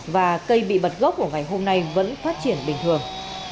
và cây bị bật gốc của ngày hôm nay vẫn phát triển bình thường